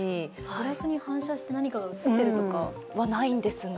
グラスに反射して何かが映ってるとかはないんですが。